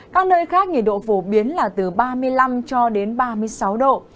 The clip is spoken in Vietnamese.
các nơi khác nhiệt độ phổ biến là từ ba mươi năm cho đến ba mươi sáu độ